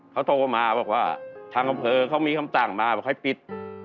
เขาโทรมาบอกว่าทางอำเภอเขามีคำสั่งมาบอกให้ปิด